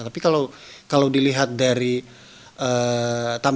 tapi kalau dilihat dari tampilan